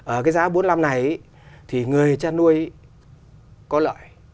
ở cái giá bốn mươi năm này thì người chăn nuôi có lợi